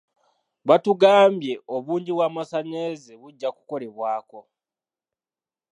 Baatugambye obungi bw'amasannyalaze bujja kukolebwako.